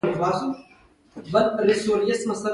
خوند یې معلوم او تېرېدل یې آسانه شي.